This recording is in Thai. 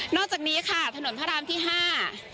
อกจากนี้ค่ะถนนพระรามที่ห้า